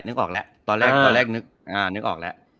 ตอนแรกนึกออกนึกออกแล้ว